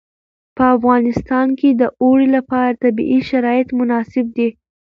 په افغانستان کې د اوړي لپاره طبیعي شرایط مناسب دي.